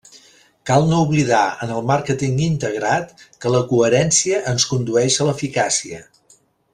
Cal no oblidar en el màrqueting integrat que la coherència ens condueix a l'eficàcia.